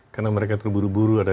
karena mereka terburu buru ada